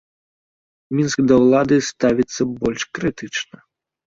Мінск да ўлады ставіцца больш крытычна.